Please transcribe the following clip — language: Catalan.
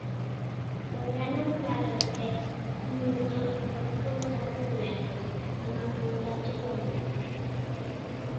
La gran amplada d'aquests motors pot causar problemes en el muntatge del motor.